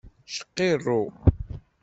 Cqirru.